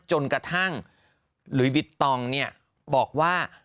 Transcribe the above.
จนกระทั่งหลุยวิทองเนี่ยบอกว่า